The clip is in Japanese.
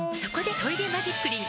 「トイレマジックリン」